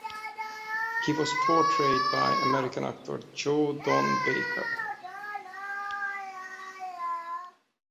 He was portrayed by American actor Joe Don Baker.